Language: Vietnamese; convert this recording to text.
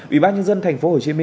ủy ban nhân dân tp hcm